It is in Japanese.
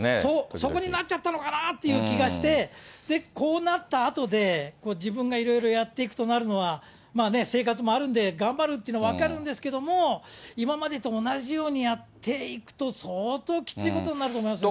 そうなっちゃったのかなって気がして、こうなったあとで、自分がいろいろやっていくとなるのは、生活もあるんで頑張るっていうの分かるんですけれども、今までと同じようにやっていくと、相当きついことになると思いますけど。